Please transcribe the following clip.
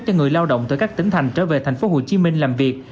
cho người lao động từ các tỉnh thành trở về tp hcm làm việc